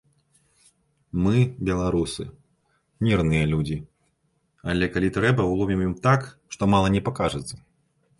Мы, беларусы, мірныя людзі, але, калі трэба, уломім ім так, што мала не пакажацца.